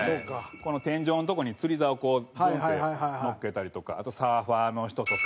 この天井のとこに釣りざおこうズンって載っけたりとかあとサーファーの人とか。